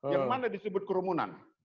yang mana disebut kerumunan